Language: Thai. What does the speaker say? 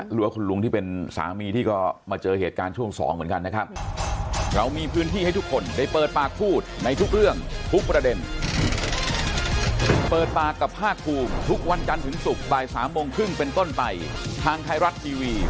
หรือว่าคุณลุงที่เป็นสามีที่ก็มาเจอเหตุการณ์ช่วง๒เหมือนกันนะครับ